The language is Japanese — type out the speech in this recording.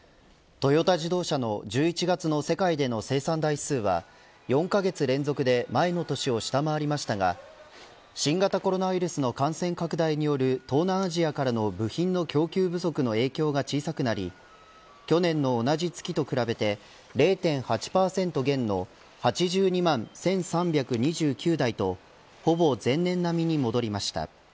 トヨタ自動車の１１月の世界での生産台数は４カ月連続で前の年を下回りましたが新型コロナウイルスの感染拡大による東南アジアからの部品の供給不足の影響が小さくなり去年の同じ月と比べて０．８％減の８２万１３２９台とほぼ前年並みに戻りました。